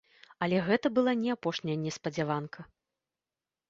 Але гэта была не апошняя неспадзяванка.